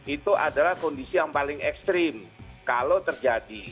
itu adalah kondisi yang paling ekstrim kalau terjadi